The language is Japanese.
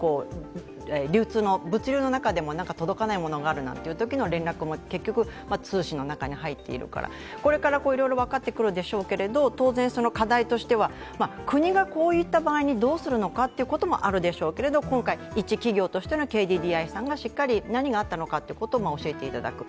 流通、物流の中でも何か届かないものがあるときの連絡も結局、通信の中に入っているから、これからいろいろ分かってくるでしょうけれども、当然、課題としては国がこういった場合に、どうするのかということもあるでしょうけれど、今回一企業としてのＫＤＤＩさんがしっかり何があったのかを教えていただく。